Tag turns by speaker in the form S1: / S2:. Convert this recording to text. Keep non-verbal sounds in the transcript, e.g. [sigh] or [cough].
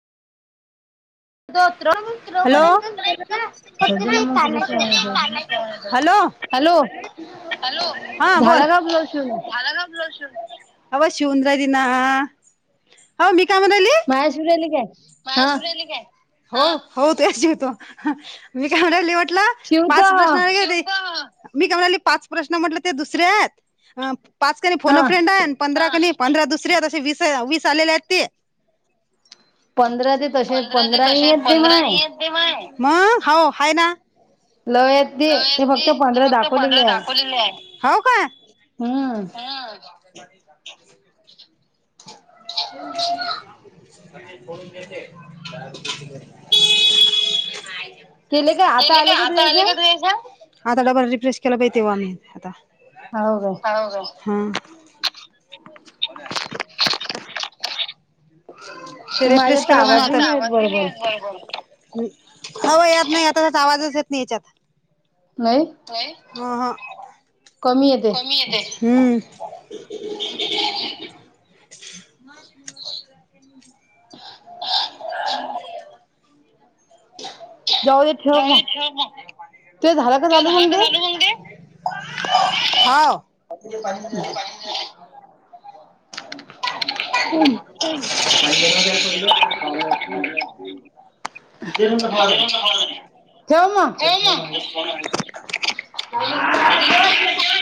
S1: Hello [unintelligible] hello. Hello हा बोल. झाला का ब्लाऊज शिवून? आहो शिवून झाली ना.
S2: माझ शिवून राहीली काय?
S1: माझ शिवून राहीली कायं? हो हो तेच शिवतो मी काय म्हणाली [unintelligible] पाच प्रश्नावर गेली. रूपा मी का म्हणाली पाच प्रश्न म्हंटलं ते दुसरे आहेत. अ पाच कनी फोन फ्रेंड आहे. पंधरा कनी पंधरा दुसरी आहेत त वीस वीस झालेले आहेत ते. पंधरा ते तसे पंधरा नई येत ते माय. मगं हो हाय ना. लय आहेत ते फक्त पंधरा दाखवलेले आहे. हो का? हम्म. [inaudible] [inaudible] केले का आता आले का? [unintelligible] आता डबल रिफ्रेश केला तेव्हा मी आता.
S2: हवं काय?
S1: हां. [unintelligible] ते रिफ्रेश केल का म आता. माझा आवाज भी नाय येत बर बर. अव यात नाही, आता आवाजच येत नाही याच्यात. व्हय? अहं. कमी येते? हम्म. [unintelligible]
S2: [unintelligible]
S1: [unintelligible] राहुदे ठेव मग. ते झाला का चालू मग तेे? हव.
S2: [unintelligible] पाणी [unintelligible] [unintelligible] [unintelligible] [unintelligible] ठेव म. [unintelligible]